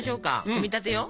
組み立てよ。